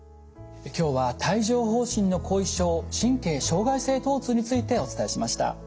今日は帯状ほう疹の後遺症神経障害性とう痛についてお伝えしました。